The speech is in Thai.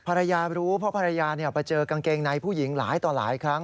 ภรรยารู้เพราะภรรยาไปเจอกางเกงในผู้หญิงหลายต่อหลายครั้ง